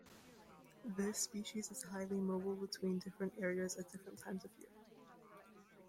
This species is highly mobile between different areas at different times of year.